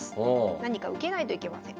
何か受けないといけません。